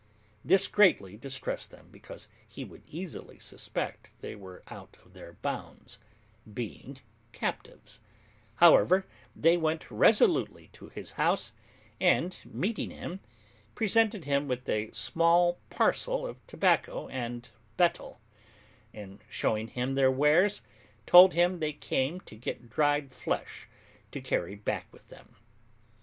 This greatly distressed them, because he would easily suspect they were out of their bounds, being captives; however, they went resolutely to his house, and meeting him, presented him with a small parcel of tobacco and betel; and, showing him their wares, told him they came to get dried flesh to carry back with them.